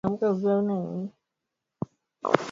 Marekani inajizuia kumpongeza rais mteule William Ruto